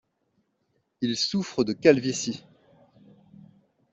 Il souffre de calvitie.